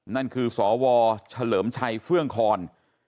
นั่นคือสวเฉลิมชัยเฟื่องคอน